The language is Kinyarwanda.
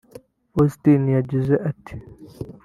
Austin yagize ati